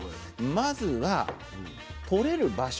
まずはとれる場所